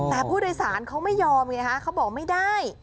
แต่ผู้โดยสารเขาไม่ยอมไงฮะเขาบอกไม่ได้